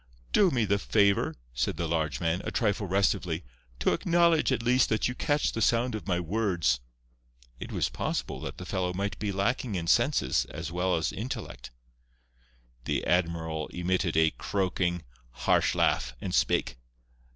"Do me the favour," said the large man, a trifle restively, "to acknowledge, at least, that you catch the sound of my words." It was possible that the fellow might be lacking in senses as well as intellect. The admiral emitted a croaking, harsh laugh, and spake.